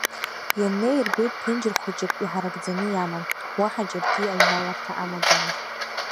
Ианнеи, ирбеит ԥенџьыр хәыҷык иҳаракӡаны иаман, уаҳа џьаргьы аҩналарҭа амаӡамызт.